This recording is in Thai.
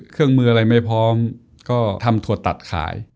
เครื่องมืออะไรไม่พร้อมก็ทำถั่วตัดขาย